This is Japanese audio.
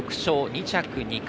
２着２回。